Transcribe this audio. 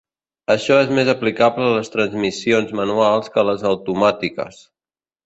Això és més aplicable a les transmissions manuals que a les automàtiques.